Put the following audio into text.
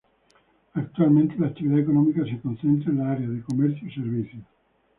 Actualmente la actividad económica se concentra en las áreas de comercio y servicios.